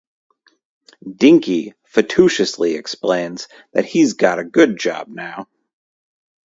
Dinky fatuously explains that he's got a good job now.